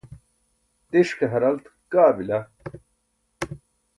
tiṣ ke haralt kaa bila